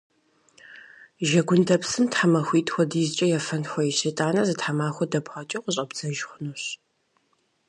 Жэгундэпсым тхьэмахуитӏ хуэдизкӏэ ефэн хуейщ. Итӏанэ зы тхьэмахуэ дэбгъэкӏыу къыщӏэбдзэж хъунущ.